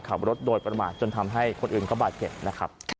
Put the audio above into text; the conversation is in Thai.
ขับรถโดยประมาทจนทำให้คนอื่นก็บาดเจ็บนะครับ